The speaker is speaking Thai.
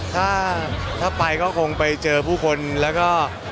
ถ้าถ้าไปก็คงไปเจอผู้คนแล้วก็